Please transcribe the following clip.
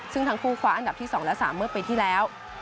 ซึ่งทั้งคู่คว้าอันดับที่๒และ๓เมื่อปีที่แล้ว